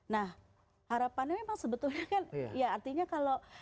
nah harapannya memang sebetulnya kan ya artinya kalau